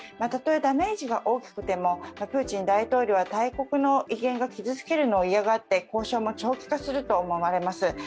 例え、ダメージが大きくてもプーチン大統領は大国の威厳が傷つけるのを嫌がって交渉も長期化すると思われます。